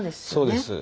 そうです。